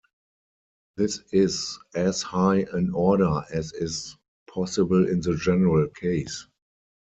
This is as high an order as is possible in the general case.